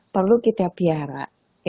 perlu kita piara